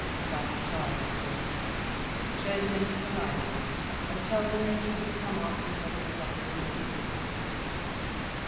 "About a child, sir." "Show them into the library, and tell them they shouldn't come after eleven o'clock in the morning."